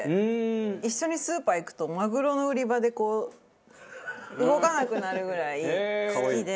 一緒にスーパー行くとマグロの売り場でこう動かなくなるぐらい好きで。